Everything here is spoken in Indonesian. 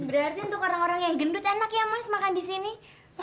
berarti untuk orang orang yang gendut enak ya mas makan di sini